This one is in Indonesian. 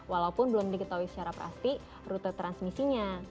walaupun belum diketahui secara pasti rute transmisinya